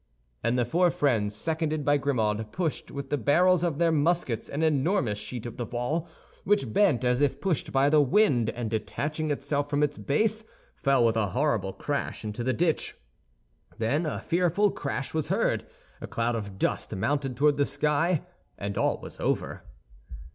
And the four friends, seconded by Grimaud, pushed with the barrels of their muskets an enormous sheet of the wall, which bent as if pushed by the wind, and detaching itself from its base, fell with a horrible crash into the ditch. Then a fearful crash was heard; a cloud of dust mounted toward the sky—and all was over!